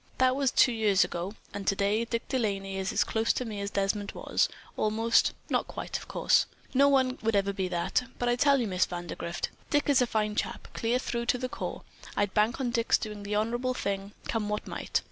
That was two years ago, and today Dick De Laney is as close to me as Desmond was, almost, not quite, of course. No one will ever be that. But, I tell you, Miss Vandergrift, Dick is a fine chap, clear through to the core. I'd bank on Dick's doing the honorable thing, come what might.